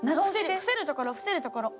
伏せるところ伏せるところ。